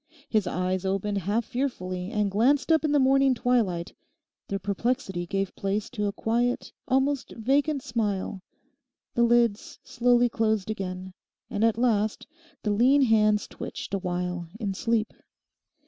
His eyes opened half fearfully, and glanced up in the morning twilight. Their perplexity gave place to a quiet, almost vacant smile; the lids slowly closed again, and at last the lean hands twitched awhile in sleep.